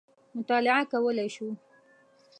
مطالعه کولای شو.